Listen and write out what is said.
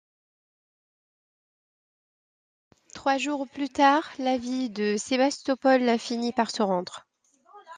Trois jours plus tard, la ville de Sébastopol finit par se rendre.